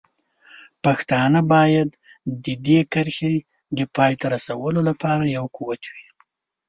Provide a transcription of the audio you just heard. پښتانه باید د دې کرښې د پای ته رسولو لپاره یو قوت وي.